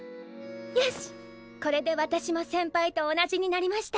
よしこれで私も先輩と同じになりました。